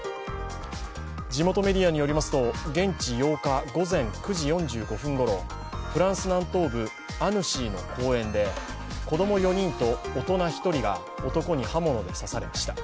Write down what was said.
地元メディアによりますと、現地８日９時４５分頃フランス南東部、アヌシーの公園で子供４人と大人１人が男に刃物で刺されました。